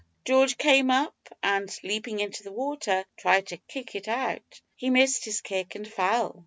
George came up, and leaping into the water tried to kick it out. He missed his kick and fell.